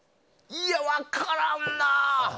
いや、分からんな。